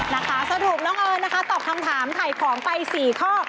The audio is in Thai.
นะคะสรุปน้องเอิญนะคะตอบคำถามถ่ายของไป๔ข้อ